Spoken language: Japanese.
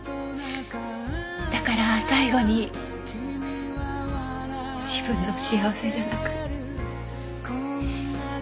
だから最後に自分の幸せじゃなく。